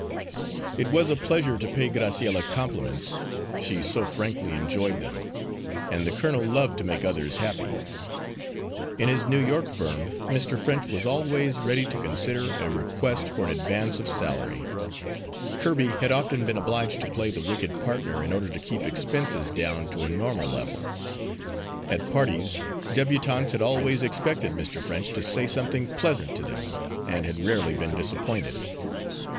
It was a pleasure to pay Graciella compliments, she so frankly enjoyed them; and the colonel loved to make others happy. In his New York firm Mr. French was always ready to consider a request for an advance of salary; Kirby had often been obliged to play the wicked partner in order to keep expenses down to a normal level. At parties débutantes had always expected Mr. French to say something pleasant to them, and had rarely been disappointed.